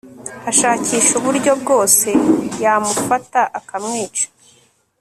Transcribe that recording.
ashakisha uburyo bwose yamufata, akamwica